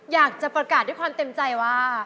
อยากจะประกาศด้วยความเต็มใจว่า